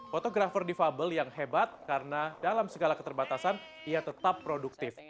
fotografer difabel yang hebat karena dalam segala keterbatasan ia tetap produktif